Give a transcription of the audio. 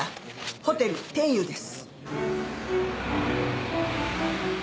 ホテル天遊です。